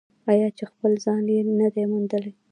آیا چې خپل ځای یې نه دی موندلی؟